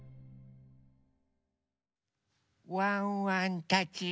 ワンワンたち。